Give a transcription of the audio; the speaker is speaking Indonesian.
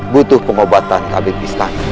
butuh pengobatan ke abik istana